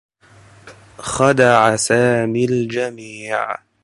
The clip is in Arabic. خدع سامي الجميع.